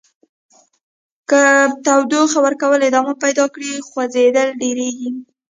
که تودوخې ورکول ادامه پیدا کړي خوځیدل ډیریږي.